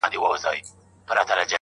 نو معذرت غواړم